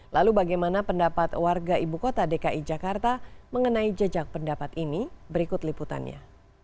lalu bagaimana pendapat warga ibu kota dki jakarta mengenai jejak pendapat ini berikut liputannya